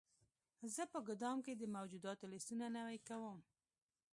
زه په ګدام کې د موجوداتو لیستونه نوي کوم.